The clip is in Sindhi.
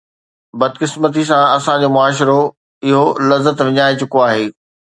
بدقسمتيءَ سان اسان جو معاشرو اهو لذت وڃائي چڪو آهي.